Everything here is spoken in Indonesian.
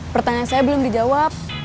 pertanyaan saya belum dijawab